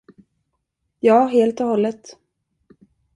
Ja, helt och hållet.